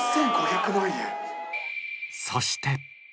そして。